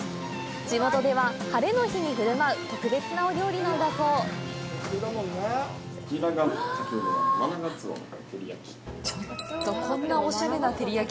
地元ではハレの日にふるまう特別なお料理なんだそうちょっとこんなおしゃれな照り焼き